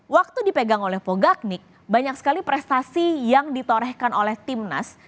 waktu dipegang oleh pogaknik banyak sekali prestasi yang ditorehkan oleh timnas